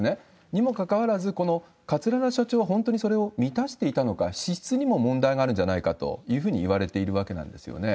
にもかかわらず、この桂田社長は本当にそれを満たしていたのか、資質にも問題があるんじゃないかというふうにいわれているわけなんですよね。